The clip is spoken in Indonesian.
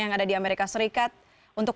yang ada di amerika serikat untuk